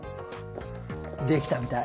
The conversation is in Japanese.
できたみたい。